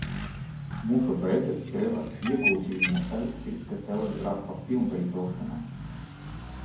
Mūža beigās deva ieguldījumu elektriskā telegrāfa pilnveidošanā.